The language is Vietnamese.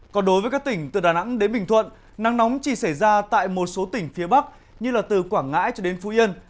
còn đối với các tỉnh từ đà nẵng đến bình thuận nắng nóng chỉ xảy ra tại một số tỉnh phía bắc như từ quảng ngãi cho đến phú yên